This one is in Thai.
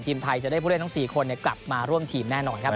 ทีมไทยจะได้ผู้เล่นทั้ง๔คนกลับมาร่วมทีมแน่นอนครับ